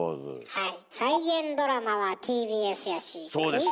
はい。